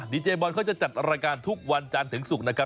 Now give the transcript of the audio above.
ดีเจบอลเขาจะจัดรายการทุกวันจานถึงศุกร์